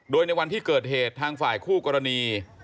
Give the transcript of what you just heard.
โดยในวันที่เกิดเหตุทางฝ่ายคู่กรณี